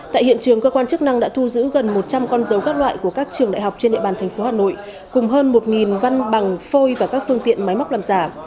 tại hiện trường cơ quan chức năng đã thu giữ gần một trăm linh con dấu các loại của các trường đại học trên địa bàn thành phố hà nội cùng hơn một văn bằng phôi và các phương tiện máy móc làm giả